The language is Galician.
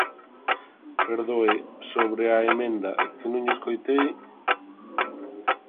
Perdoe, ¿sobre a emenda, que non lle escoitei?